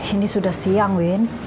ini sudah siang win